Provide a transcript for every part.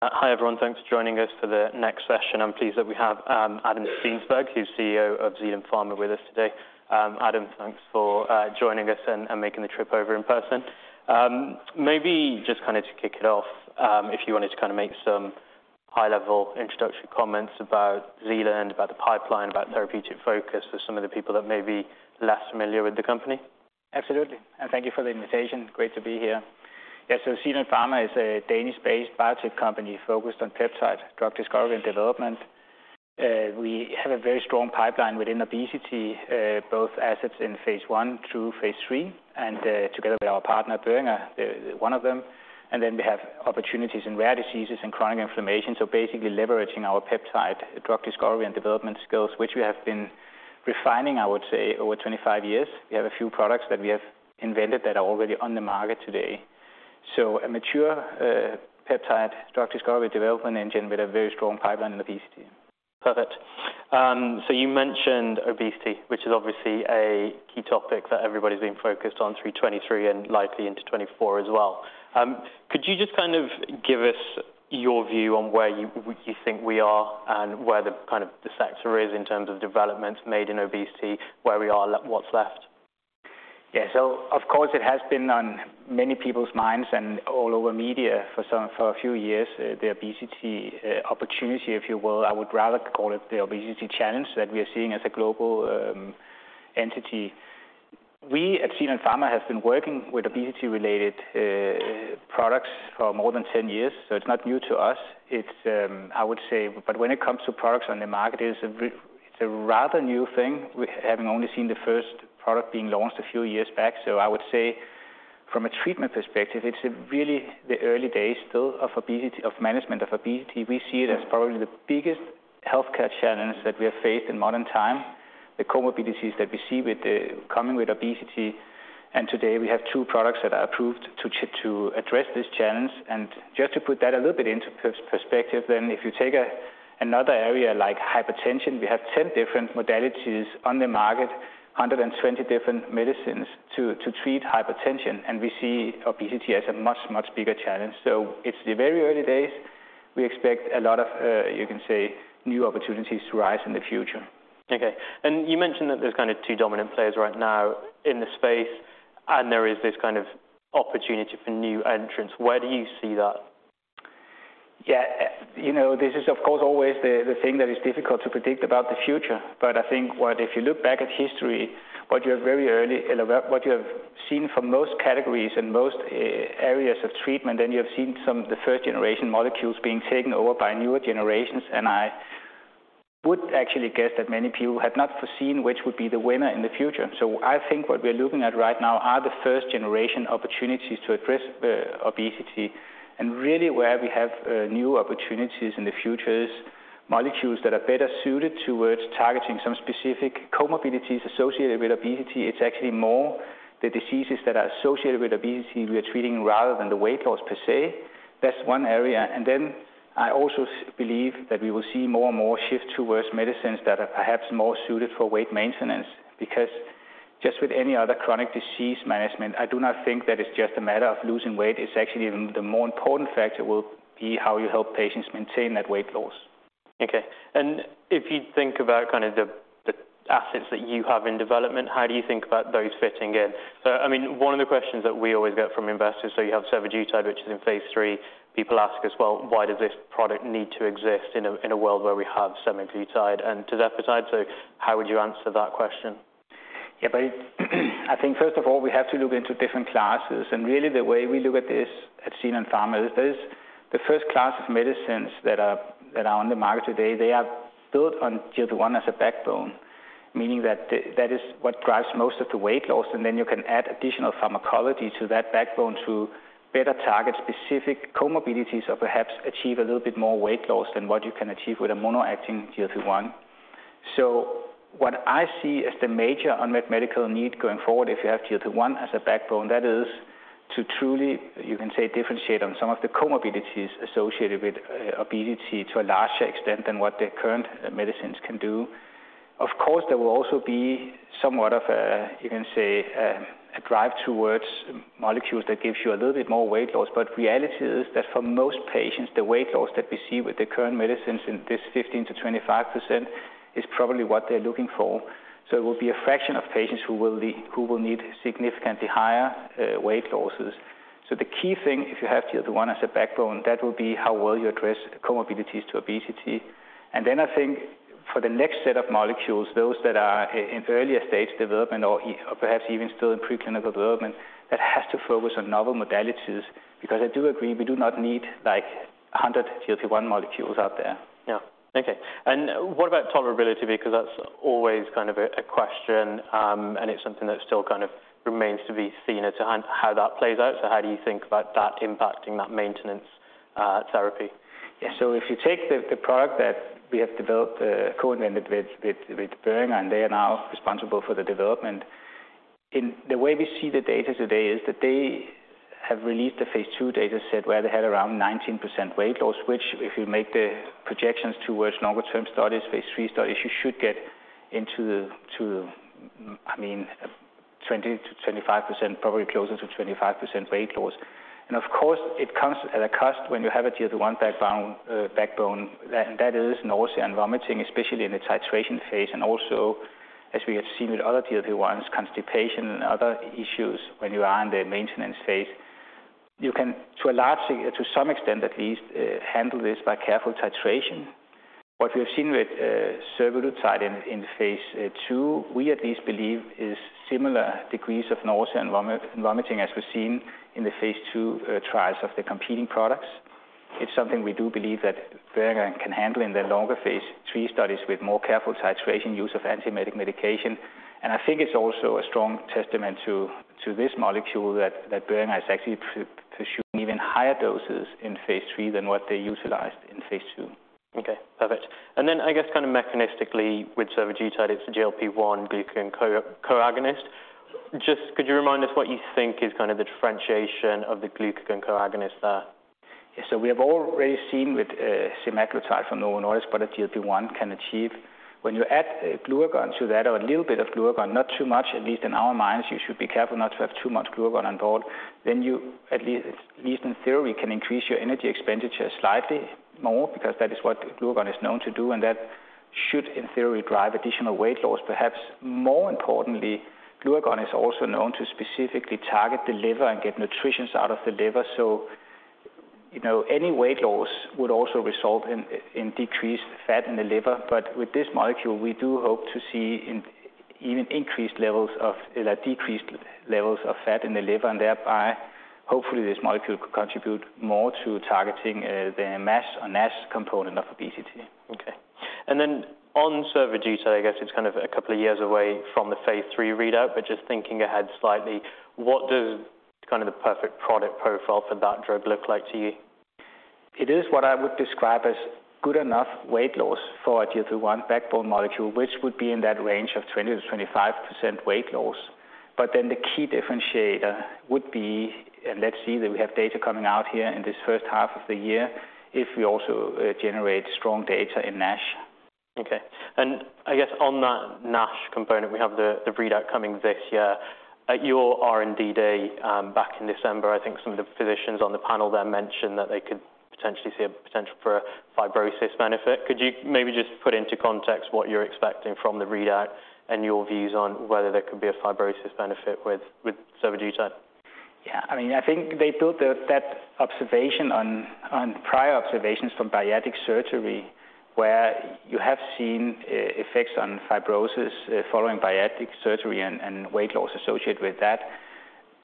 Hi, everyone. Thanks for joining us for the next session. I'm pleased that we have Adam Steensberg, who's CEO of Zealand Pharma, with us today. Adam, thanks for joining us and making the trip over in person. Maybe just kind of to kick it off, if you wanted to kind of make some high-level introductory comments about Zealand, about the pipeline, about therapeutic focus, for some of the people that may be less familiar with the company. Absolutely, and thank you for the invitation. Great to be here. Yeah, so Zealand Pharma is a Danish-based biotech company focused on peptide drug discovery and development. We have a very strong pipeline within obesity, both assets in Phase 1 through Phase 3, and together with our partner, Boehringer, one of them. And then we have opportunities in rare diseases and chronic inflammation, so basically leveraging our peptide drug discovery and development skills, which we have been refining, I would say, over 25 years. We have a few products that we have invented that are already on the market today. So a mature peptide drug discovery development engine with a very strong pipeline in obesity. Perfect. So you mentioned obesity, which is obviously a key topic that everybody's been focused on through 2023 and likely into 2024 as well. Could you just kind of give us your view on where you, you think we are and where the kind of the sector is in terms of developments made in obesity, where we are, what's left? Yeah. So of course, it has been on many people's minds and all over media for a few years, the obesity opportunity, if you will. I would rather call it the obesity challenge that we are seeing as a global entity. We, at Zealand Pharma, have been working with obesity-related products for more than 10 years, so it's not new to us. It's, I would say... But when it comes to products on the market, it's a rather new thing. We, having only seen the first product being launched a few years back. So I would say from a treatment perspective, it's really the early days still of obesity, of management of obesity. We see it as probably the biggest healthcare challenge that we have faced in modern time, the comorbidities that we see with the coming with obesity. Today, we have two products that are approved to address this challenge. Just to put that a little bit into perspective, then if you take another area like hypertension, we have 10 different modalities on the market, 120 different medicines to treat hypertension, and we see obesity as a much, much bigger challenge. So it's the very early days. We expect a lot of, you can say, new opportunities to rise in the future. Okay. And you mentioned that there's kind of two dominant players right now in the space, and there is this kind of opportunity for new entrants. Where do you see that? Yeah. You know, this is, of course, always the thing that is difficult to predict about the future. But I think if you look back at history, what you have seen from most categories and most areas of treatment, and you have seen some of the first-generation molecules being taken over by newer generations, and I would actually guess that many people had not foreseen which would be the winner in the future. So I think what we're looking at right now are the first-generation opportunities to address obesity. And really where we have new opportunities in the future is molecules that are better suited towards targeting some specific comorbidities associated with obesity. It's actually more the diseases that are associated with obesity we are treating, rather than the weight loss per se. That's one area. I also believe that we will see more and more shift towards medicines that are perhaps more suited for weight maintenance, because just with any other chronic disease management, I do not think that it's just a matter of losing weight. It's actually, the more important factor will be how you help patients maintain that weight loss. Okay. And if you think about kind of the assets that you have in development, how do you think about those fitting in? I mean, one of the questions that we always get from investors, so you have semaglutide, which is in Phase 3. People ask us, "Well, why does this product need to exist in a world where we have semaglutide and tirzepatide?" So how would you answer that question? Yeah, but I think first of all, we have to look into different classes. And really, the way we look at this at Zealand Pharma is there is the first class of medicines that are on the market today, they are built on GLP-1 as a backbone, meaning that that is what drives most of the weight loss, and then you can add additional pharmacology to that backbone to better target specific comorbidities or perhaps achieve a little bit more weight loss than what you can achieve with a mono-acting GLP-1. So what I see as the major unmet medical need going forward, if you have GLP-1 as a backbone, that is to truly, you can say, differentiate on some of the comorbidities associated with obesity to a larger extent than what the current medicines can do. Of course, there will also be somewhat of a, you can say, a drive towards molecules that gives you a little bit more weight loss. But reality is that for most patients, the weight loss that we see with the current medicines in this 15%-25% is probably what they're looking for. So it will be a fraction of patients who will need significantly higher weight losses. So the key thing, if you have GLP-1 as a backbone, that will be how well you address comorbidities to obesity. And then I think for the next set of molecules, those that are in earlier stages of development or perhaps even still in preclinical development, that has to focus on novel modalities, because I do agree, we do not need, like, 100 GLP-1 molecules out there. Yeah. Okay. And what about tolerability? Because that's always kind of a question, and it's something that still kind of remains to be seen as to how that plays out. So how do you think about that impacting that maintenance therapy? Yeah. So if you take the product that we have developed, co-developed with Boehringer, and they are now responsible for the development, in the way we see the data today is that they have released the Phase 2 data set, where they had around 19% weight loss, which, if you make the projections towards longer-term studies, Phase 3 studies, you should get into the, to, I mean, 20%-25%, probably closer to 25% weight loss. And of course, it comes at a cost when you have a GLP-1 backbone, backbone, that is nausea and vomiting, especially in the titration phase, and also, as we have seen with other GLP-1s, constipation and other issues when you are in the maintenance phase. You can, to a large extent, to some extent at least, handle this by careful titration. What we have seen with survodutide in Phase 2, we at least believe is similar degrees of nausea and vomiting as we've seen in the Phase 2 trials of the competing products. It's something we do believe that Boehringer can handle in the longer Phase 3 studies with more careful titration, use of antiemetic medication. And I think it's also a strong testament to this molecule that Boehringer is actually pursuing even higher doses in Phase 3 than what they utilized in Phase 2. Okay, perfect. And then I guess kind of mechanistically with survodutide, it's a GLP-1 glucagon co-agonist. Just could you remind us what you think is kind of the differentiation of the glucagon co-agonist there? So we have already seen with semaglutide from Novo Nordisk what a GLP-1 can achieve. When you add glucagon to that or a little bit of glucagon, not too much, at least in our minds, you should be careful not to have too much glucagon on board. Then you, at least, at least in theory, can increase your energy expenditure slightly more because that is what glucagon is known to do, and that should, in theory, drive additional weight loss. Perhaps more importantly, glucagon is also known to specifically target the liver and get nutrients out of the liver. So you know, any weight loss would also result in decreased fat in the liver. With this molecule, we do hope to see even increased levels of decreased levels of fat in the liver, and thereby, hopefully, this molecule could contribute more to targeting the NASH or NASH component of obesity. Okay. And then on survodutide, I guess it's kind of a couple of years away from the Phase 3 readout, but just thinking ahead slightly, what does kind of the perfect product profile for that drug look like to you? It is what I would describe as good enough weight loss for a GLP-1 backbone molecule, which would be in that range of 20%-25% weight loss. But then the key differentiator would be, and let's see that we have data coming out here in this first half of the year, if we also generate strong data in NASH. Okay. And I guess on that NASH component, we have the readout coming this year. At your R&D day back in December, I think some of the physicians on the panel there mentioned that they could potentially see a potential for a fibrosis benefit. Could you maybe just put into context what you're expecting from the readout and your views on whether there could be a fibrosis benefit with survodutide? Yeah, I mean, I think they built that observation on prior observations from bariatric surgery, where you have seen effects on fibrosis following bariatric surgery and weight loss associated with that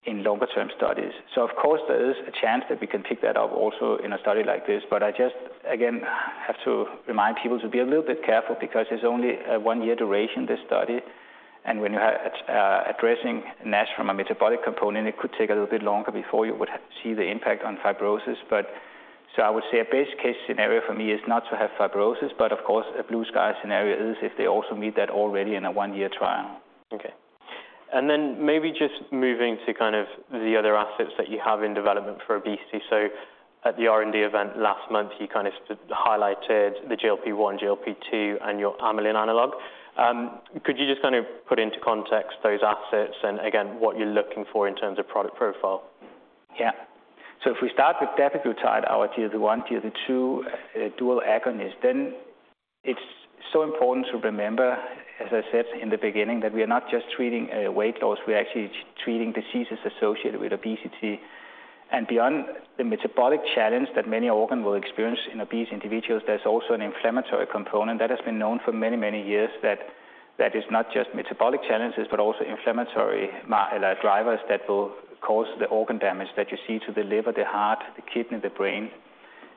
in longer term studies. So of course, there is a chance that we can pick that up also in a study like this. But I just, again, have to remind people to be a little bit careful because there's only a one-year duration in this study, and when you are addressing NASH from a metabolic component, it could take a little bit longer before you would have see the impact on fibrosis. But so I would say a best case scenario for me is not to have fibrosis, but of course, a blue sky scenario is if they also meet that already in a one-year trial. Okay. And then maybe just moving to kind of the other assets that you have in development for obesity. So at the R&D event last month, you kind of highlighted the GLP-1, GLP-2, and your amylin analog. Could you just kind of put into context those assets and again, what you're looking for in terms of product profile? Yeah. So if we start with dapiglutide, our GLP-1, GLP-2 dual agonist, then it's so important to remember, as I said in the beginning, that we are not just treating weight loss, we're actually treating diseases associated with obesity. And beyond the metabolic challenge that many organ will experience in obese individuals, there's also an inflammatory component that has been known for many, many years that is not just metabolic challenges, but also inflammatory drivers that will cause the organ damage that you see to the liver, the heart, the kidney, the brain.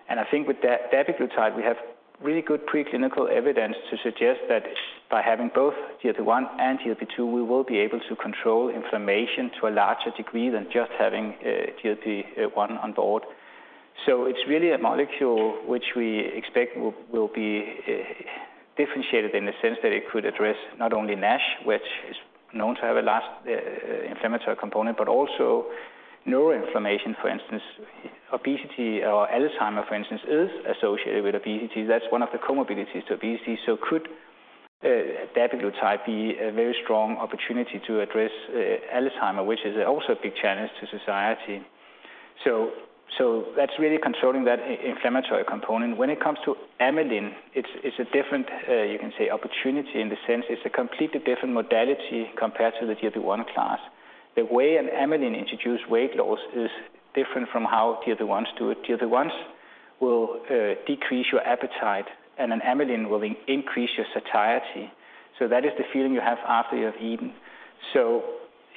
And I think with dapiglutide, we have really good preclinical evidence to suggest that by having both GLP-1 and GLP-2, we will be able to control inflammation to a larger degree than just having a GLP-1 on board. So it's really a molecule which we expect will be differentiated in the sense that it could address not only NASH, which is known to have a last inflammatory component, but also neuroinflammation, for instance, obesity or Alzheimer, for instance, is associated with obesity. That's one of the comorbidities to obesity. So could dapiglutide be a very strong opportunity to address Alzheimer, which is also a big challenge to society? So that's really controlling that inflammatory component. When it comes to amylin, it's a different opportunity in the sense it's a completely different modality compared to the GLP-1 class. The way an amylin introduce weight loss is different from how GLP-1s do it. GLP-1s will decrease your appetite, and an amylin will increase your satiety. So that is the feeling you have after you have eaten. So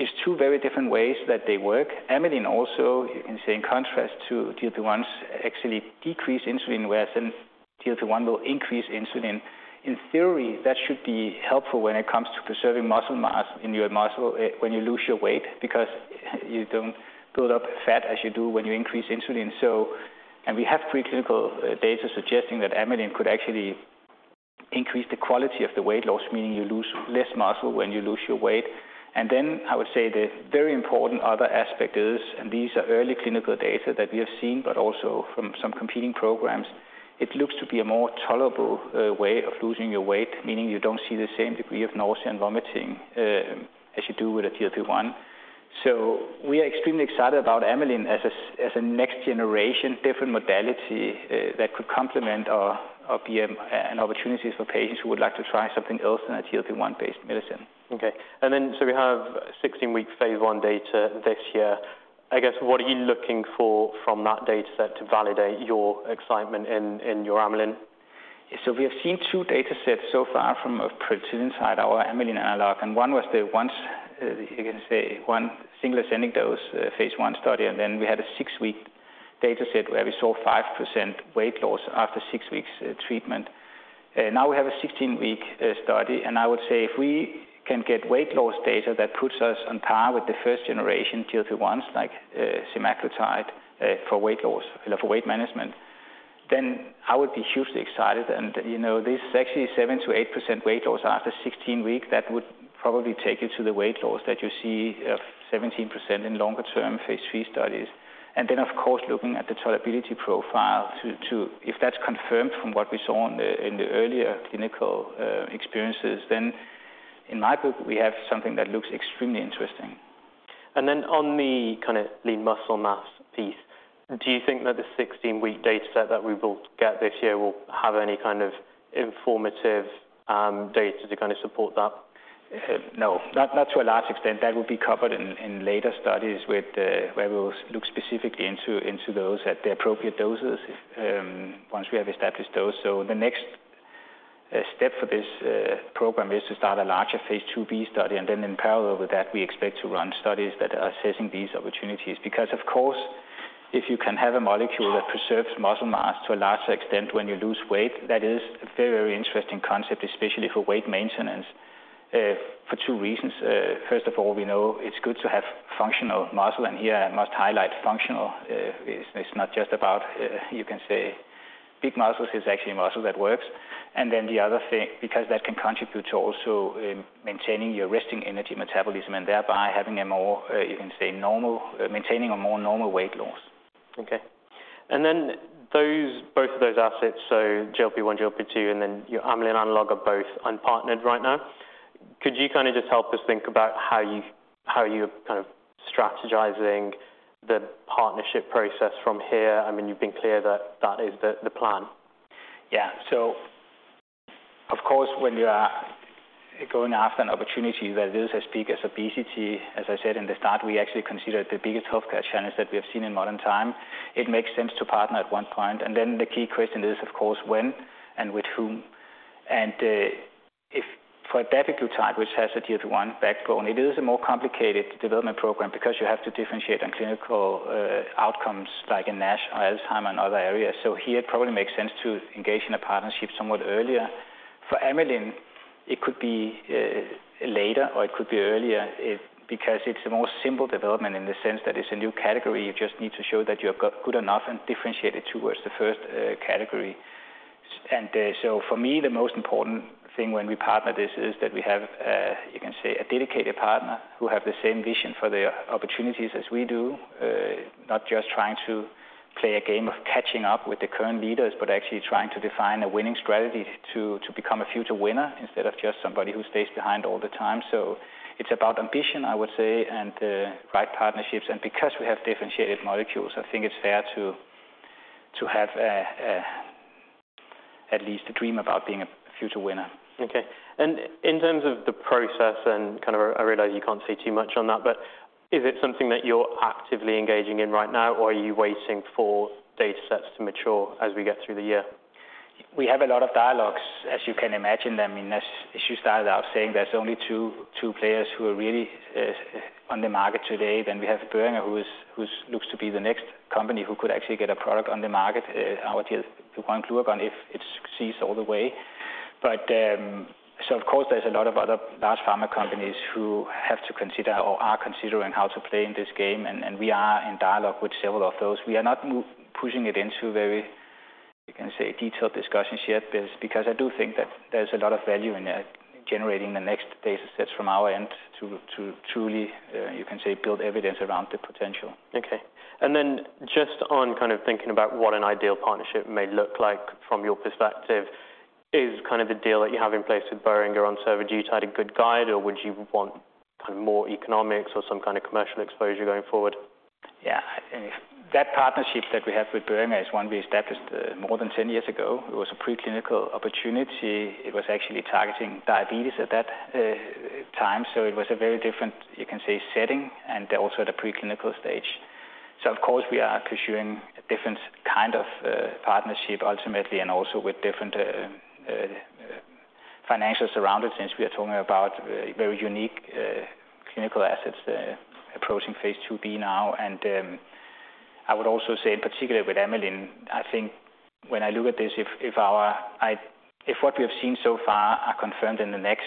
it's two very different ways that they work. amylin also, you can say, in contrast to GLP-1s, actually decrease insulin whereas then GLP-1 will increase insulin. In theory, that should be helpful when it comes to preserving muscle mass in your muscle, when you lose your weight, because you don't build up fat as you do when you increase insulin. And we have preclinical data suggesting that amylin could actually increase the quality of the weight loss, meaning you lose less muscle when you lose your weight. And then I would say the very important other aspect is, and these are early clinical data that we have seen, but also from some competing programs, it looks to be a more tolerable way of losing your weight, meaning you don't see the same degree of nausea and vomiting, as you do with a GLP-1. We are extremely excited about amylin as a next generation, different modality that could complement our GLP-1 and opportunities for patients who would like to try something else than a GLP-1-based medicine. Okay. We have 16-week Phase 1 data this year. I guess, what are you looking for from that data set to validate your excitement in your amylin? So we have seen two data sets so far from petrelintide, our amylin analog, and one was the once, you can say, one single ascending dose, Phase1 study, and then we had a six-week data set where we saw 5% weight loss after six weeks treatment. Now we have a 16-week study, and I would say if we can get weight loss data that puts us on par with the first generation GLP-1s, like, semaglutide, for weight loss, for weight management, then I would be hugely excited. And, you know, this is actually 7%-8% weight loss after 16 weeks, that would probably take you to the weight loss that you see, 17% in longer term Phase 3 studies. Then, of course, looking at the tolerability profile to, if that's confirmed from what we saw in the earlier clinical experiences, then in my book, we have something that looks extremely interesting. And then on the kind of lean muscle mass piece, do you think that the 16-week data set that we will get this year will have any kind of informative data to kind of support that? No, not to a large extent. That will be covered in later studies with the where we'll look specifically into those at the appropriate doses, once we have established dose. So the next step for this program is to start a larger phase two b study, and then in parallel with that, we expect to run studies that are assessing these opportunities. Because, of course, if you can have a molecule that preserves muscle mass to a large extent when you lose weight, that is a very, very interesting concept, especially for weight maintenance, for two reasons. First of all, we know it's good to have functional muscle, and here I must highlight functional. It's not just about, you can say, big muscles, it's actually a muscle that works. And then the other thing, because that can contribute to also maintaining your resting energy metabolism and thereby having a more, you can say, normal maintaining a more normal weight loss. Okay. And then those, both of those assets, so GLP-1, GLP-2, and then your amylin analog are both unpartnered right now. Could you kind of just help us think about how you, how you're kind of strategizing the partnership process from here? I mean, you've been clear that that is the, the plan. Yeah. So of course, when you are going after an opportunity that is as big as obesity, as I said in the start, we actually consider it the biggest healthcare challenge that we have seen in modern time. It makes sense to partner at one point, and then the key question is, of course, when and with whom? And if for Dapiglutide, which has a GLP-1 backbone, it is a more complicated development program because you have to differentiate on clinical outcomes like in NASH or Alzheimer, and other areas. So here, it probably makes sense to engage in a partnership somewhat earlier. For amylin, it could be later, or it could be earlier, because it's a more simple development in the sense that it's a new category. You just need to show that you have got good enough and differentiate it towards the first category. And, so for me, the most important thing when we partner this is that we have, you can say, a dedicated partner who have the same vision for the opportunities as we do. Not just trying to play a game of catching up with the current leaders, but actually trying to define a winning strategy to become a future winner instead of just somebody who stays behind all the time. So it's about ambition, I would say, and right partnerships. And because we have differentiated molecules, I think it's fair to have a, at least a dream about being a future winner. Okay. In terms of the process, and kind of I realize you can't say too much on that, but is it something that you're actively engaging in right now, or are you waiting for data sets to mature as we get through the year? We have a lot of dialogues, as you can imagine. I mean, as you started out saying, there's only two players who are really on the market today. Then we have Boehringer, who looks to be the next company who could actually get a product on the market, our GLP-1 glucagon, if it succeeds all the way. But so of course, there's a lot of other large pharma companies who have to consider or are considering how to play in this game, and we are in dialogue with several of those. We are not pushing it into very, you can say, detailed discussions yet, but it's because I do think that there's a lot of value in generating the next data sets from our end to truly, you can say, build evidence around the potential. Okay. And then just on kind of thinking about what an ideal partnership may look like from your perspective, is kind of the deal that you have in place with Boehringer on Survodutide a good guide, or would you want kind of more economics or some kind of commercial exposure going forward? Yeah. That partnership that we have with Boehringer is one we established more than 10 years ago. It was a preclinical opportunity. It was actually targeting diabetes at that time, so it was a very different, you can say, setting, and also at a preclinical stage. So of course, we are pursuing a different kind of partnership ultimately, and also with different financial surroundings, since we are talking about very unique clinical assets approaching Phase 2b now. I would also say, in particular with amylin, I think when I look at this, if what we have seen so far are confirmed in the next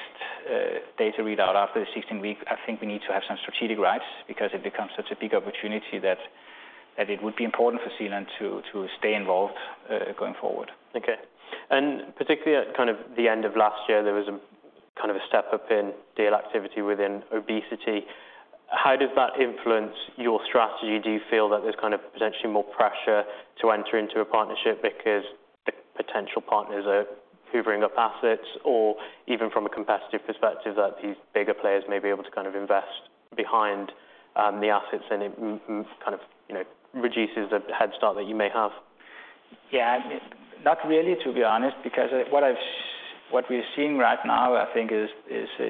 data readout after the 16-week, I think we need to have some strategic rights because it becomes such a big opportunity that it would be important for Zealand to stay involved going forward. Okay. And particularly at kind of the end of last year, there was a kind of a step-up in deal activity within obesity. How does that influence your strategy? Do you feel that there's kind of potentially more pressure to enter into a partnership because the potential partners are hoovering up assets, or even from a competitive perspective, that these bigger players may be able to kind of invest behind the assets and it may kind of, you know, reduces the head start that you may have? Yeah, not really, to be honest, because what we're seeing right now, I think, is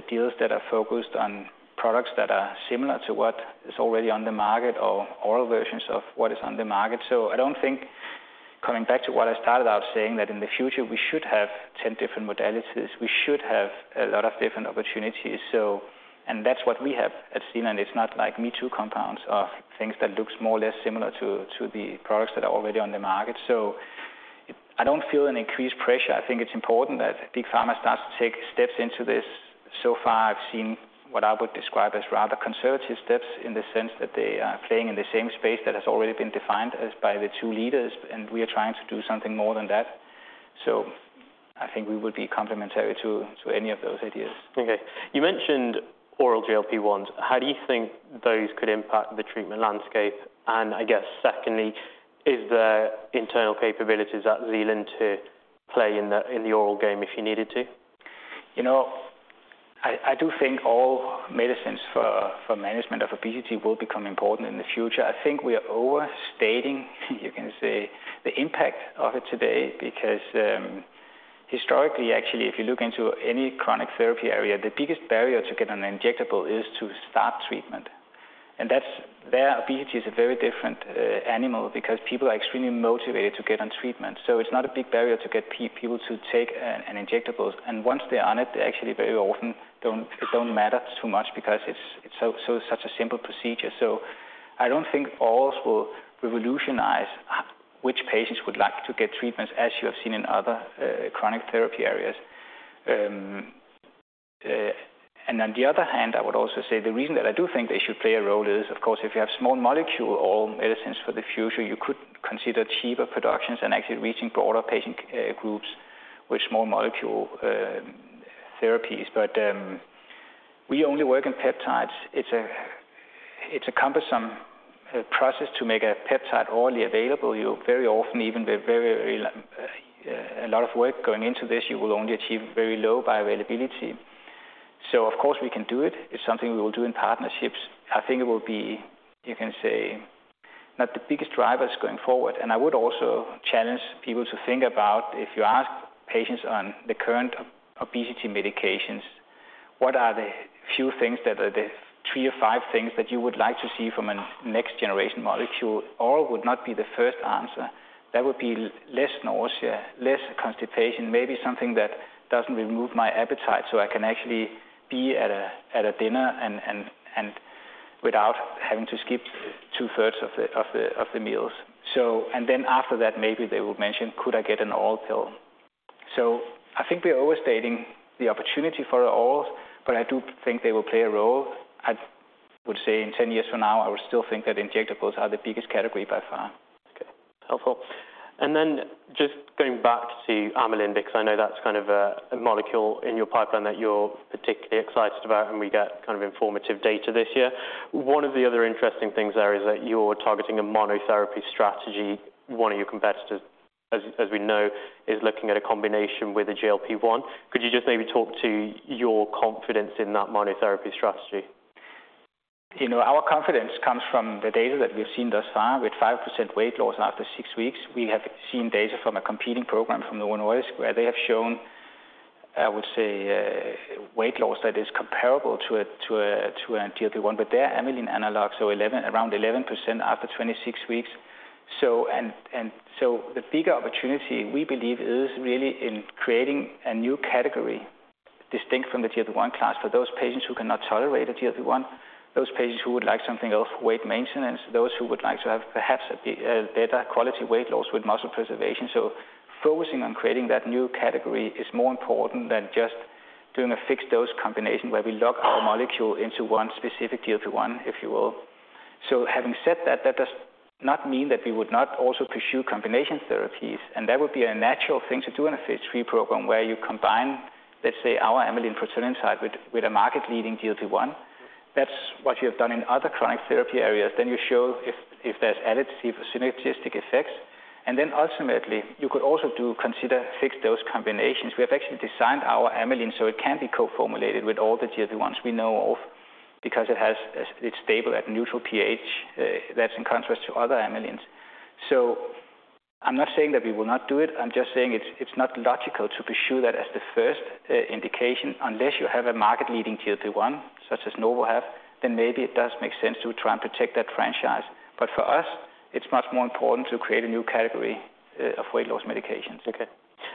deals that are focused on products that are similar to what is already on the market or oral versions of what is on the market. So I don't think coming back to what I started out saying, that in the future we should have 10 different modalities. We should have a lot of different opportunities, so, and that's what we have at Zealand. It's not like me-too compounds or things that looks more or less similar to the products that are already on the market. So I don't feel an increased pressure. I think it's important that Big Pharma starts to take steps into this. So far, I've seen what I would describe as rather conservative steps in the sense that they are playing in the same space that has already been defined by the two leaders, and we are trying to do something more than that. I think we would be complementary to any of those ideas. Okay. You mentioned oral GLP-1s. How do you think those could impact the treatment landscape? And I guess secondly, is there internal capabilities at Zealand to play in the oral game if you needed to? You know, I do think all medicines for management of obesity will become important in the future. I think we are overstating, you can say, the impact of it today, because historically, actually, if you look into any chronic therapy area, the biggest barrier to get an injectable is to start treatment. And that's, obesity is a very different animal because people are extremely motivated to get on treatment. So it's not a big barrier to get people to take an injectable. And once they're on it, they actually very often don't. It don't matter too much because it's so such a simple procedure. So I don't think orals will revolutionize which patients would like to get treatments, as you have seen in other chronic therapy areas. And on the other hand, I would also say the reason that I do think they should play a role is, of course, if you have small molecule or medicines for the future, you could consider cheaper productions and actually reaching broader patient groups with small molecule therapies. But we only work in peptides. It's a, it's a cumbersome process to make a peptide orally available. You very often, even with very, very a lot of work going into this, you will only achieve very low bioavailability. So of course, we can do it. It's something we will do in partnerships. I think it will be, you can say, not the biggest drivers going forward. I would also challenge people to think about if you ask patients on the current obesity medications, what are the few things that are the three or five things that you would like to see from a next generation molecule? Oral would not be the first answer. That would be less nausea, less constipation, maybe something that doesn't remove my appetite, so I can actually be at a dinner and without having to skip two-thirds of the meals. So then after that, maybe they would mention, "Could I get an oral pill?" So I think we are overstating the opportunity for orals, but I do think they will play a role. I would say in ten years from now, I would still think that injectables are the biggest category by far. Okay, helpful. Then just going back to amylin, because I know that's kind of a molecule in your pipeline that you're particularly excited about, and we get kind of informative data this year. One of the other interesting things there is that you're targeting a monotherapy strategy. One of your competitors, as we know, is looking at a combination with a GLP-1. Could you just maybe talk to your confidence in that monotherapy strategy? You know, our confidence comes from the data that we've seen thus far with 5% weight loss after six weeks. We have seen data from a competing program from Novo Nordisk, where they have shown, I would say, weight loss that is comparable to a, to a, to a GLP-1, but they're amylin analog, so around 11% after 26 weeks. So and, and so the bigger opportunity, we believe, is really in creating a new category distinct from the GLP-1 class. For those patients who cannot tolerate a GLP-1, those patients who would like something else, weight maintenance, those who would like to have perhaps a better quality weight loss with muscle preservation. So focusing on creating that new category is more important than just doing a fixed-dose combination, where we lock our molecule into one specific GLP-1, if you will. So having said that, that does not mean that we would not also pursue combination therapies, and that would be a natural thing to do in a phase III program, where you combine, let's say, our amylin petrelintide with a market-leading GLP-1. That's what you have done in other chronic therapy areas. Then you show if there's added synergetic effects, and then ultimately, you could also do consider fixed those combinations. We have actually designed our amylin, so it can be co-formulated with all the GLP-1s we know of because it has a, it's stable at neutral pH. That's in contrast to other amylins. So I'm not saying that we will not do it. I'm just saying it's not logical to pursue that as the first indication. Unless you have a market-leading GLP-1, such as Novo have, then maybe it does make sense to try and protect that franchise. But for us, it's much more important to create a new category, of weight loss medications. Okay.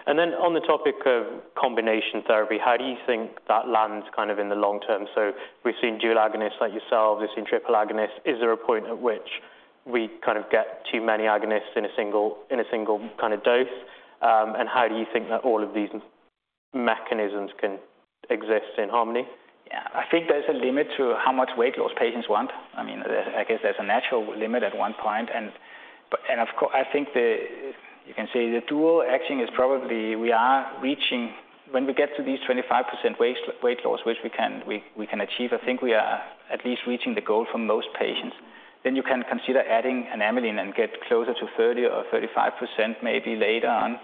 And then on the topic of combination therapy, how do you think that lands kind of in the long term? So we've seen dual agonists like yourselves, we've seen triple agonists. Is there a point at which we kind of get too many agonists in a single, in a single kind of dose? And how do you think that all of these mechanisms can exist in harmony? Yeah. I think there's a limit to how much weight loss patients want. I guess there's a natural limit at one point. But of course, I think you can say the dual acting is probably we are reaching when we get to these 25% weight loss, which we can achieve. I think we are at least reaching the goal for most patients. Then you can consider adding an amylin and get closer to 30% or 35% maybe later on,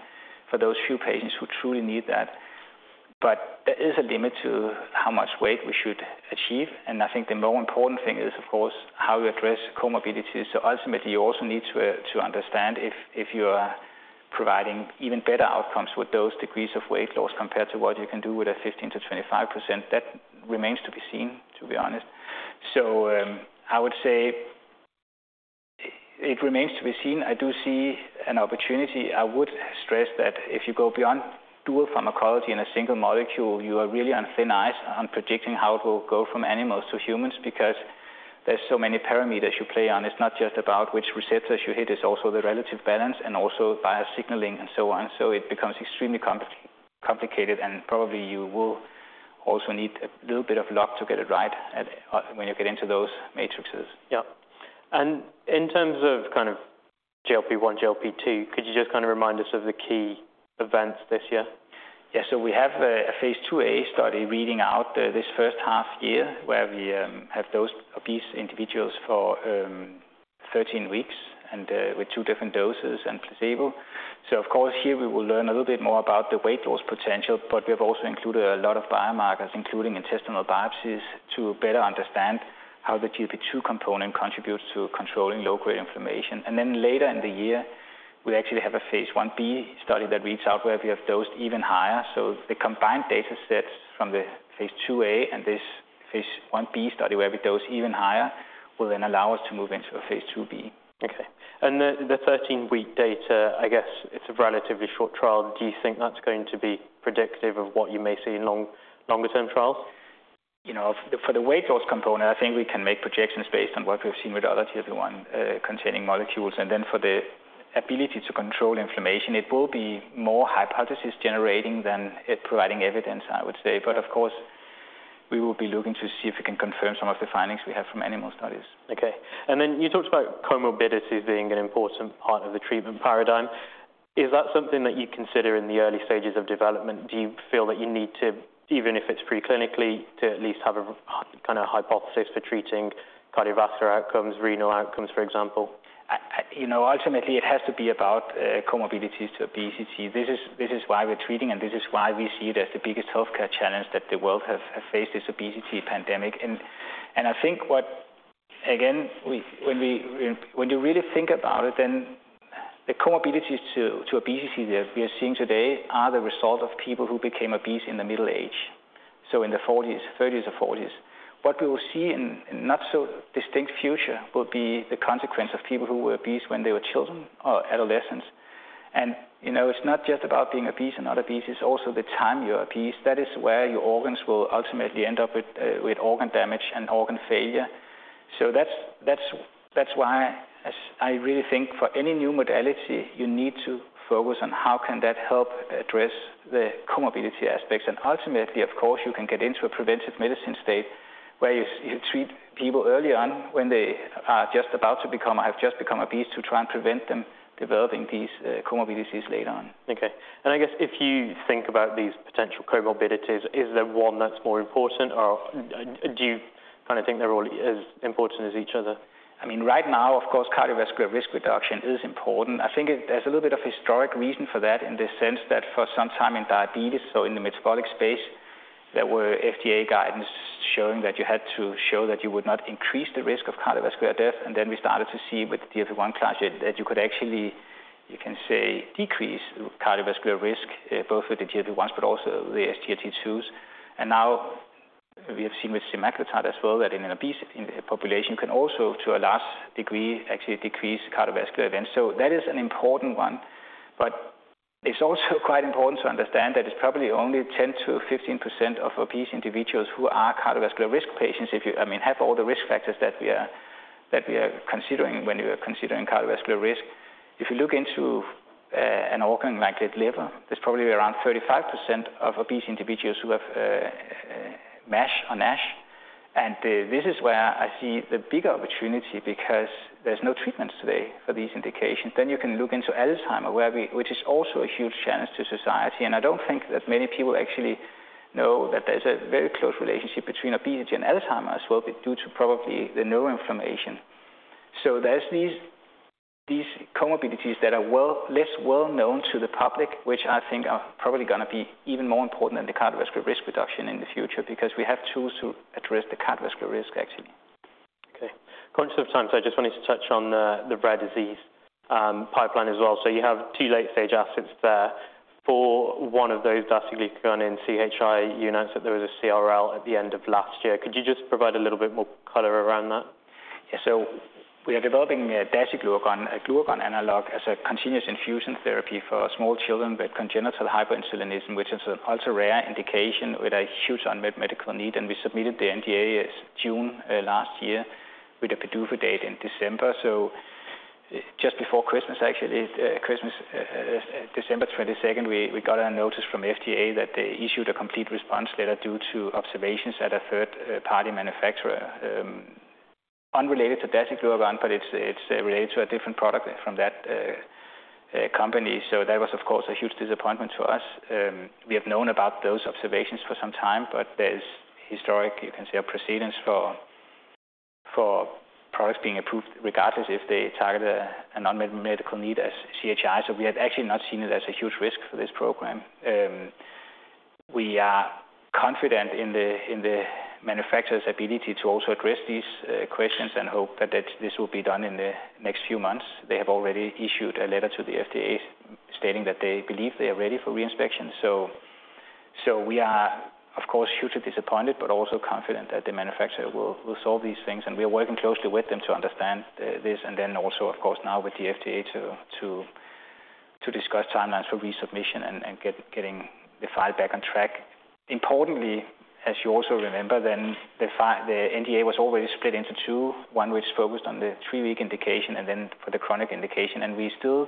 for those few patients who truly need that. But there is a limit to how much weight we should achieve, and I think the more important thing is, of course, how we address comorbidities. So ultimately, you also need to understand if you are providing even better outcomes with those degrees of weight loss compared to what you can do with a 15%-25%. That remains to be seen, to be honest. So, I would say it remains to be seen. I do see an opportunity. I would stress that if you go beyond dual pharmacology in a single molecule, you are really on thin ice on predicting how it will go from animals to humans, because there's so many parameters you play on. It's not just about which receptors you hit, it's also the relative balance and also via signaling and so on. So it becomes extremely complicated, and probably you will also need a little bit of luck to get it right at when you get into those matrices. Yeah. And in terms of kind of GLP-1, GLP-2, could you just kind of remind us of the key events this year? Yeah. So we have a Phase 2a study reading out this first half year, where we have dosed obese individuals for 13 weeks and with two different doses and placebo. So of course, here we will learn a little bit more about the weight loss potential, but we have also included a lot of biomarkers, including intestinal biopsies, to better understand how the GLP-2 component contributes to controlling low-grade inflammation. And then later in the year, we actually have a Phase 1b study that reads out where we have dosed even higher. So the combined data sets from the Phase 2a and this Phase 1b study, where we dose even higher, will then allow us to move into a phase 2b. Okay. And the 13-week data, I guess it's a relatively short trial. Do you think that's going to be predictive of what you may see in longer term trials? You know, for the weight loss component, I think we can make projections based on what we've seen with other GLP-1 containing molecules. And then for the ability to control inflammation, it will be more hypothesis generating than it providing evidence, I would say. But of course, we will be looking to see if we can confirm some of the findings we have from animal studies. Okay. And then you talked about comorbidities being an important part of the treatment paradigm. Is that something that you consider in the early stages of development? Do you feel that you need to, even if it's pre-clinically, to at least have a kind of hypothesis for treating cardiovascular outcomes, renal outcomes, for example? You know, ultimately, it has to be about comorbidities to obesity. This is why we're treating, and this is why we see it as the biggest healthcare challenge that the world have faced, this obesity pandemic. And I think, again, when you really think about it, then the comorbidities to obesity that we are seeing today are the result of people who became obese in the middle age, so in their forties, thirties or forties. What we will see in a not so distinct future will be the consequence of people who were obese when they were children or adolescents. And, you know, it's not just about being obese and not obese, it's also the time you're obese. That is where your organs will ultimately end up with organ damage and organ failure. So that's why as I really think for any new modality, you need to focus on how can that help address the comorbidity aspects. And ultimately, of course, you can get into a preventive medicine state where you treat people early on when they are just about to become or have just become obese, to try and prevent them developing these comorbidities later on. Okay. And I guess if you think about these potential comorbidities, is there one that's more important, or do you kind of think they're all as important as each other? I mean, right now, of course, cardiovascular risk reduction is important. I think there's a little bit of historic reason for that in the sense that for some time in diabetes, so in the metabolic space, there were FDA guidance showing that you had to show that you would not increase the risk of cardiovascular death. And then we started to see with the GLP-1 class, that you could actually, you can say, decrease cardiovascular risk, both with the GLP-1s, but also the SGLT2s. And now we have seen with semaglutide as well, that in an obese population can also, to a large degree, actually decrease cardiovascular events. So that is an important one. But it's also quite important to understand that it's probably only 10%-15% of obese individuals who are cardiovascular risk patients. If you... I mean, have all the risk factors that we are, that we are considering when you are considering cardiovascular risk. If you look into an organ like the liver, there's probably around 35% of obese individuals who have MASH or NASH. And this is where I see the bigger opportunity, because there's no treatments today for these indications. Then you can look into Alzheimer's, which is also a huge challenge to society, and I don't think that many people actually know that there's a very close relationship between obesity and Alzheimer's, well, due to probably the neuroinflammation. So there's these, these comorbidities that are well- less well known to the public, which I think are probably gonna be even more important than the cardiovascular risk reduction in the future, because we have tools to address the cardiovascular risk, actually. Okay. Conscious of time, so I just wanted to touch on the rare disease pipeline as well. You have two late-stage assets there. For one of those, dasiglucagon in CHI, there was a CRL at the end of last year. Could you just provide a little bit more color around that? Yeah. So we are developing dasiglucagon, a glucagon analog, as a continuous infusion therapy for small children with congenital hyperinsulinism, which is an ultra-rare indication with a huge unmet medical need. And we submitted the NDA as June last year with a PDUFA date in December. So just before Christmas, actually, Christmas, December 22nd, we got a notice from FDA that they issued a complete response letter due to observations at a third-party manufacturer. Unrelated to dasiglucagon, but it's related to a different product from that company. So that was, of course, a huge disappointment to us. We have known about those observations for some time, but there's historic, you can say, a precedent for products being approved regardless if they target a, an unmet medical need as CHI. So we had actually not seen it as a huge risk for this program. We are confident in the manufacturer's ability to also address these questions and hope that this will be done in the next few months. They have already issued a letter to the FDA stating that they believe they are ready for re-inspection. So we are, of course, hugely disappointed, but also confident that the manufacturer will solve these things, and we are working closely with them to understand this, and then also, of course, now with the FDA to discuss timelines for resubmission and getting the file back on track. Importantly, as you also remember, then the NDA was always split into two, one which focused on the three-week indication and then for the chronic indication. We still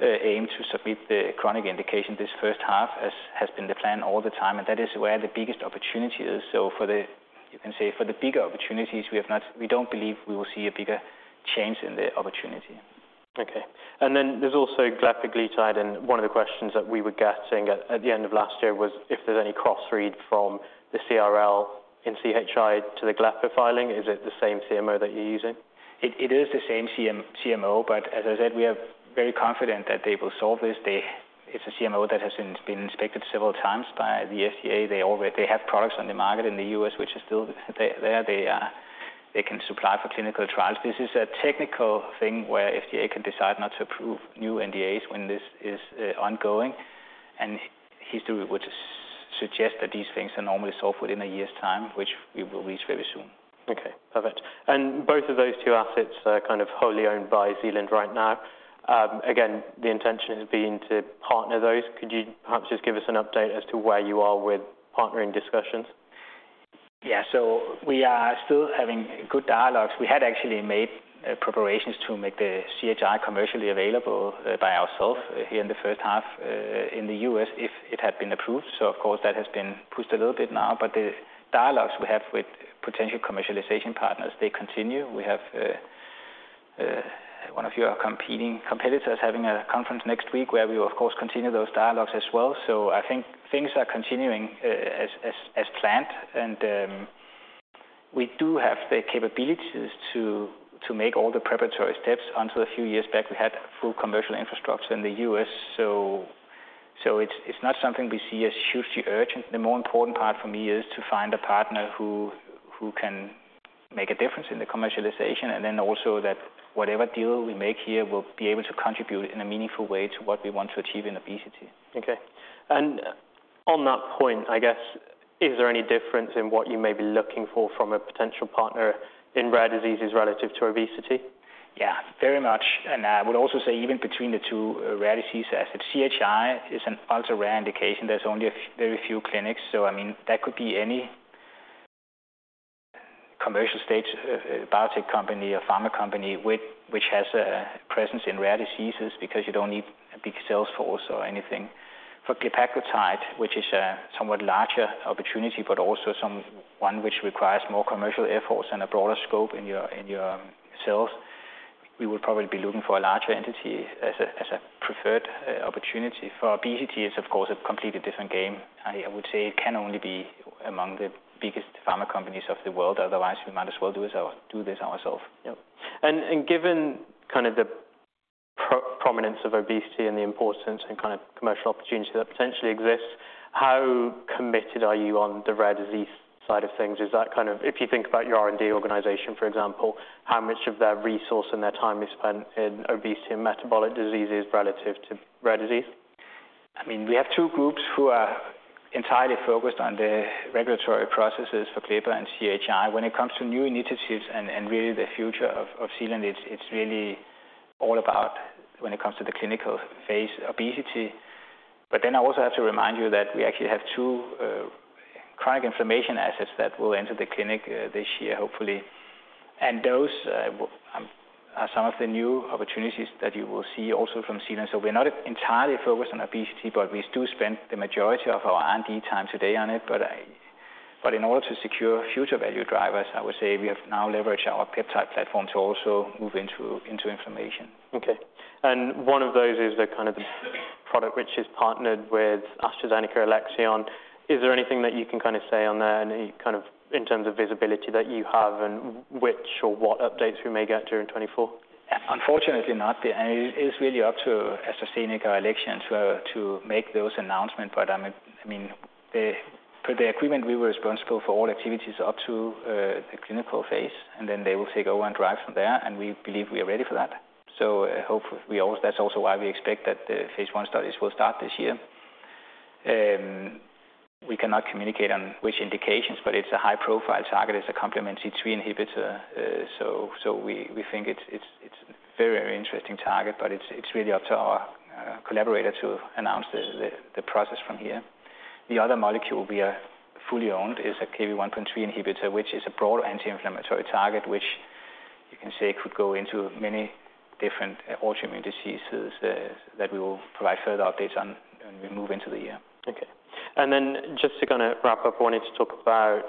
aim to submit the chronic indication this first half, as has been the plan all the time, and that is where the biggest opportunity is. So for the, you can say, for the bigger opportunities, we don't believe we will see a bigger change in the opportunity. Okay. And then there's also glepaglutide, and one of the questions that we were getting at, at the end of last year was if there's any cross read from the CRL in CHI to the glepaglutide filing. Is it the same CMO that you're using? It is the same CMO, but as I said, we are very confident that they will solve this. It's a CMO that has been inspected several times by the FDA. They already have products on the market in the U.S., which is still there. They can supply for clinical trials. This is a technical thing where FDA can decide not to approve new NDAs when this is ongoing, and history would suggest that these things are normally solved within a year's time, which we will reach very soon. Okay, perfect. And both of those two assets are kind of wholly owned by Zealand right now. Again, the intention has been to partner those. Could you perhaps just give us an update as to where you are with partnering discussions? Yeah. So we are still having good dialogues. We had actually made preparations to make the CHI commercially available by ourself here in the first half in the US, if it had been approved. So of course, that has been pushed a little bit now, but the dialogues we have with potential commercialization partners, they continue. We have one of your competing competitors having a conference next week, where we will of course continue those dialogues as well. So I think things are continuing as planned. And we do have the capabilities to make all the preparatory steps. Until a few years back, we had full commercial infrastructure in the US, so it's not something we see as hugely urgent. The more important part for me is to find a partner who can make a difference in the commercialization, and then also that whatever deal we make here will be able to contribute in a meaningful way to what we want to achieve in obesity. Okay. And on that point, I guess, is there any difference in what you may be looking for from a potential partner in rare diseases relative to obesity? Yeah, very much. I would also say even between the two rare disease assets, CHI is an ultra-rare indication. There's only a very few clinics, so I mean, that could be any commercial stage biotech company or pharma company which has a presence in rare diseases because you don't need a big sales force or anything. For glepaglutide, which is a somewhat larger opportunity, but also one which requires more commercial effort and a broader scope in your sales, we would probably be looking for a larger entity as a preferred opportunity. For obesity, it's of course a completely different game. I would say it can only be among the biggest pharma companies of the world, otherwise, we might as well do this ourselves. Yep. And given kind of the prominence of obesity and the importance and kind of commercial opportunity that potentially exists, how committed are you on the rare disease side of things? Is that kind of... If you think about your R&D organization, for example, how much of their resource and their time is spent in obesity and metabolic diseases relative to rare disease? I mean, we have two groups who are entirely focused on the regulatory processes for glepaglutide and CHI. When it comes to new initiatives and really the future of Zealand, it's really all about when it comes to the clinical phase, obesity. But then I also have to remind you that we actually have two chronic inflammation assets that will enter the clinic this year, hopefully. And those are some of the new opportunities that you will see also from Zealand. So we're not entirely focused on obesity, but we do spend the majority of our R&D time today on it. But in order to secure future value drivers, I would say we have now leveraged our peptide platform to also move into inflammation. Okay. And one of those is the kind of product which is partnered with AstraZeneca Alexion. Is there anything that you can kind of say on there, any kind of in terms of visibility that you have and which or what updates we may get during 2024? Unfortunately not. It is really up to AstraZeneca Alexion to make those announcements. But, I mean, per the agreement, we were responsible for all activities up to the clinical phase, and then they will take over and drive from there, and we believe we are ready for that. That's also why we expect that the phase 1 studies will start this year. We cannot communicate on which indications, but it's a high-profile target. It's a complement C3 inhibitor, so we think it's a very interesting target, but it's really up to our collaborator to announce the progress from here. The other molecule we are fully owned is a Kv1.3 inhibitor, which is a broad anti-inflammatory target, which you can say could go into many different autoimmune diseases, that we will provide further updates on as we move into the year. Okay. And then just to kind of wrap up, I wanted to talk about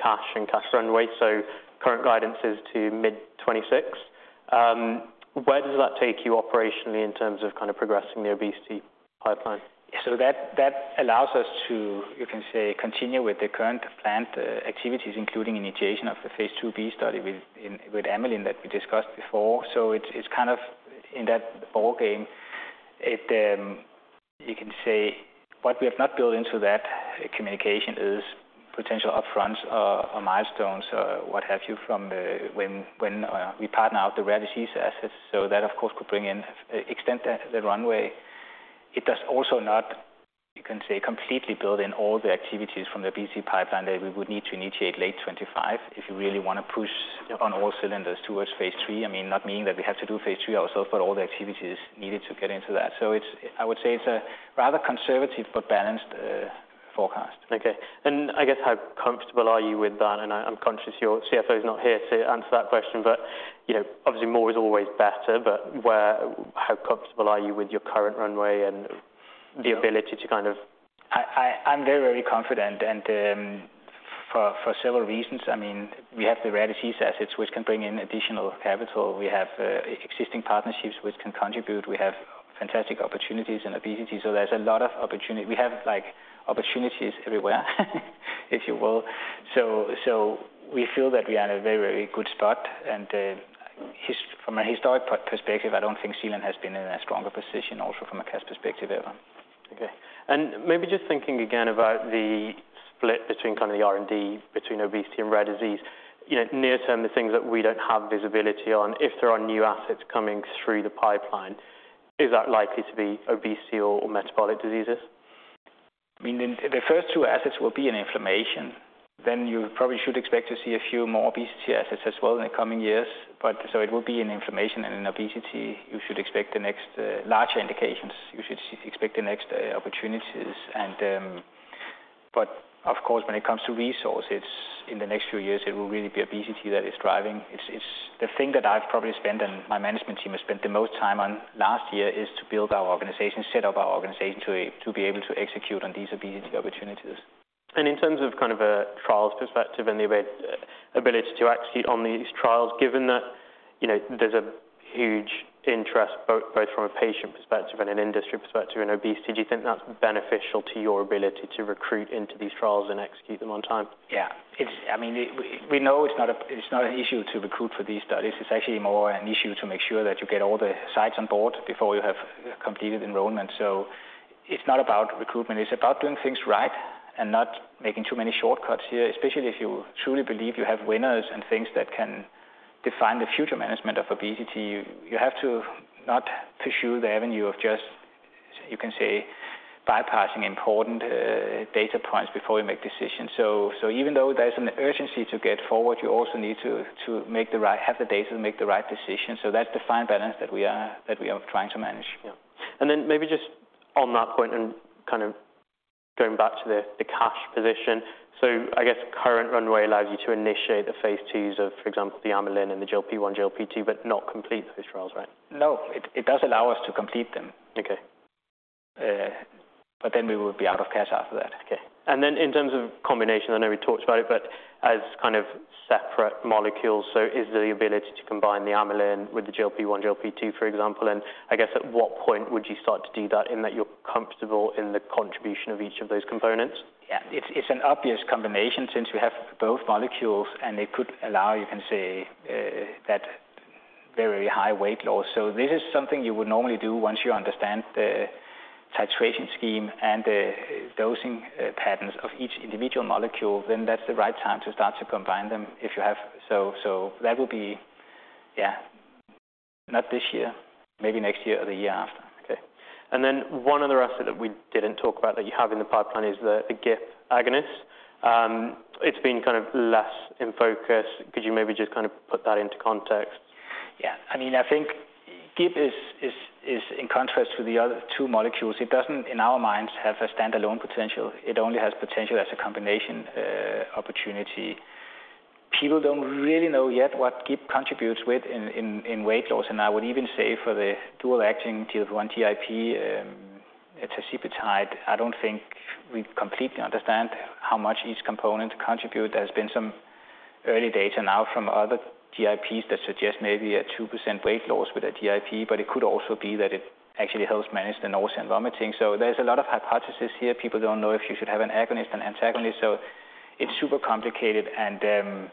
cash and cash runway. So current guidance is to mid-2026. Where does that take you operationally in terms of kind of progressing the obesity pipeline? So that allows us to, you can say, continue with the current planned activities, including initiation of the phase 2b study with amylin that we discussed before. So it's kind of in that ball game. You can say what we have not built into that communication is potential upfront or milestones or what have you from when we partner out the rare disease assets. So that, of course, could bring in extend the runway. It does also not completely build in all the activities from the obesity pipeline that we would need to initiate late 2025, if you really want to push on all cylinders towards phase three. I mean, not meaning that we have to do phase three ourselves, but all the activities needed to get into that. It's a rather conservative but balanced forecast. Okay. And I guess how comfortable are you with that? And I, I'm conscious your CFO is not here to answer that question, but, you know, obviously more is always better, but how comfortable are you with your current runway and the ability to kind of- I'm very, very confident, and for several reasons. I mean, we have the rare disease assets, which can bring in additional capital. We have existing partnerships which can contribute. We have fantastic opportunities in obesity, so there's a lot of opportunity. We have, like, opportunities everywhere, if you will. So we feel that we are at a very, very good start. And from a historic perspective, I don't think Zealand has been in a stronger position also from a cash perspective, ever. Okay. And maybe just thinking again about the split between kind of the R&D, between obesity and rare disease. You know, near term, the things that we don't have visibility on, if there are new assets coming through the pipeline, is that likely to be obesity or metabolic diseases? I mean, the first two assets will be in inflammation. Then you probably should expect to see a few more obesity assets as well in the coming years. But so it will be in inflammation and in obesity. You should expect the next larger indications. You should expect the next opportunities. But of course, when it comes to resources in the next few years, it will really be obesity that is driving. It's the thing that I've probably spent, and my management team has spent the most time on last year, is to build our organization, set up our organization to be able to execute on these obesity opportunities. In terms of kind of a trials perspective and the ability to execute on these trials, given that, you know, there's a huge interest both, both from a patient perspective and an industry perspective in obesity, do you think that's beneficial to your ability to recruit into these trials and execute them on time? Yeah. It's... I mean, we, we know it's not a, it's not an issue to recruit for these studies. It's actually more an issue to make sure that you get all the sites on board before you have completed enrollment. So it's not about recruitment, it's about doing things right and not making too many shortcuts here, especially if you truly believe you have winners and things that can define the future management of obesity. You have to not pursue the avenue of just, you can say, bypassing important data points before you make decisions. So, so even though there's an urgency to get forward, you also need to, to make the right... have the data to make the right decisions. So that's the fine balance that we are, that we are trying to manage. Yeah. And then maybe just on that point and kind of going back to the cash position. So I guess current runway allows you to initiate the phase 2s of, for example, the amylin and the GLP-1, GLP-2, but not complete those trials, right? No, it does allow us to complete them. Okay. But then we would be out of cash after that. Okay. And then in terms of combination, I know we talked about it, but as kind of separate molecules, so is the ability to combine the amylin with the GLP-1/GLP-2, for example, and I guess at what point would you start to do that, in that you're comfortable in the contribution of each of those components? Yeah. It's an obvious combination since we have both molecules, and they could allow, you can say, that very high weight loss. So this is something you would normally do once you understand the titration scheme and the dosing patterns of each individual molecule, then that's the right time to start to combine them if you have. So that will be, yeah, not this year, maybe next year or the year after. Okay. And then one other asset that we didn't talk about that you have in the pipeline is the GIP agonist. It's been kind of less in focus. Could you maybe just kind of put that into context? Yeah. I mean, I think GIP is in contrast to the other two molecules. It doesn't, in our minds, have a standalone potential. It only has potential as a combination opportunity. People don't really know yet what GIP contributes with in weight loss, and I would even say for the dual-acting GLP-1 GIP, tirzepatide, I don't think we completely understand how much each component contribute. There's been some early data now from other GIPs that suggest maybe a 2% weight loss with a GIP, but it could also be that it actually helps manage the nausea and vomiting. So there's a lot of hypotheses here. People don't know if you should have an agonist, an antagonist, so it's super complicated, and it's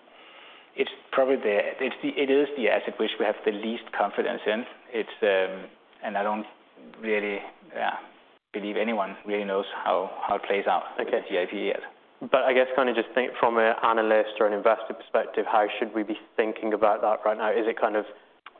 probably the- it's the- it is the asset which we have the least confidence in. It's... I don't really, yeah, believe anyone really knows how it plays out- Okay - withGIP yet. But I guess kind of just think from an analyst or an investor perspective, how should we be thinking about that right now? Is it kind of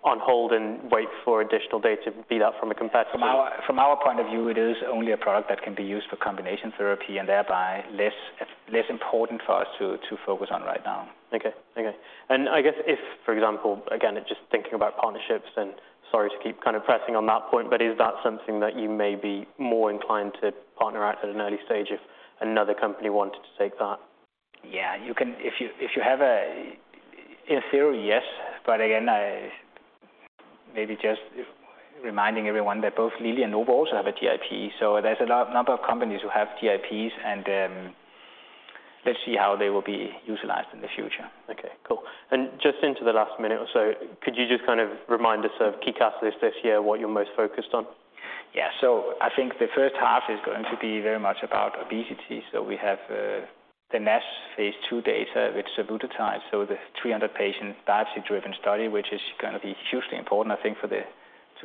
on hold and wait for additional data to read out from a competitive- From our point of view, it is only a product that can be used for combination therapy and thereby less important for us to focus on right now. Okay. Okay. And I guess if, for example, again, just thinking about partnerships, and sorry to keep kind of pressing on that point, but is that something that you may be more inclined to partner at an early stage if another company wanted to take that? Yeah, you can- if you, if you have a... In theory, yes. But again, I maybe just reminding everyone that both Lilly and Novo also have a GIP. So there's a lot- number of companies who have GIPs, and, let's see how they will be utilized in the future. Okay, cool. Just into the last minute or so, could you just kind of remind us of key catalysts this year, what you're most focused on? Yeah. So I think the first half is going to be very much about obesity. So we have the NASH phase two data with survodutide, so the 300-patient biopsy-driven study, which is gonna be hugely important, I think, to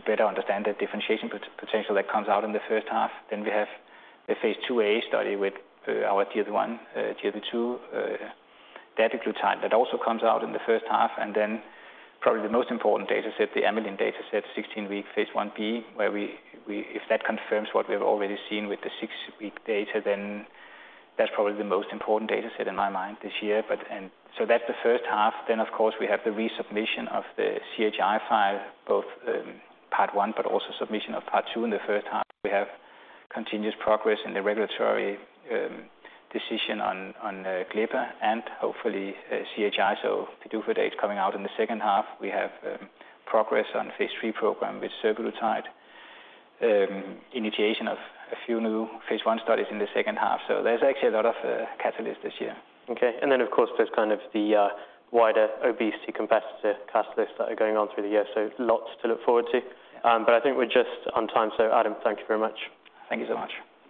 better understand the differentiation potential that comes out in the first half. Then we have a phase 2a study with our GLP-1, GLP-2, dual glucagon. That also comes out in the first half, and then probably the most important data set, the amylin data set, 16-week phase 1b, where, if that confirms what we've already seen with the six-week data, then that's probably the most important data set in my mind this year. But so that's the first half. Then, of course, we have the resubmission of the CHI file, both part one, but also submission of part two in the first half. We have continuous progress in the regulatory decision on glepaglutide and hopefully CHI, so PDUFA date coming out in the second half. We have progress on phase three program with survodutide, initiation of a few new phase 1 studies in the second half. So there's actually a lot of catalysts this year. Okay. Then, of course, there's kind of the wider obesity competitor catalysts that are going on through the year, so lots to look forward to. But I think we're just on time. So Adam, thank you very much. Thank you so much.